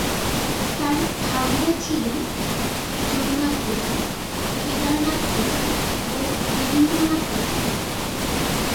তাঁর ভাইয়েরা ছিলেন যদুনাথ বসু, কেদারনাথ বসু ও দেবেন্দ্রনাথ বসু।